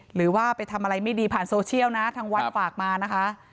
หรือว่าไปทำอะไรไม่ดีผ่านโซเชียลนะทางวัดฝากมานะคะ